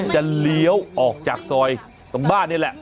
เลี้ยวออกจากซอยตรงบ้านนี่แหละ